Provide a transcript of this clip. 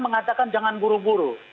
mengatakan jangan buru buru